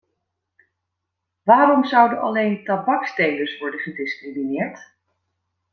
Waarom zouden alleen tabakstelers worden gediscrimineerd?